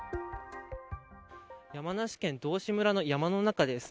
山梨県道志村の山の中です。